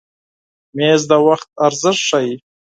مېز د وخت ارزښت ښیي.